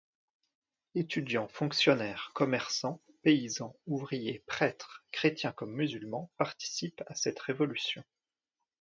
Étudiants, fonctionnaires, commerçants, paysans, ouvriers, prêtres, chrétiens comme musulmans participent à cette révolution.